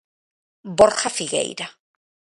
Borja Figueira.